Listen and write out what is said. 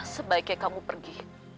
sebaiknya kamu pergi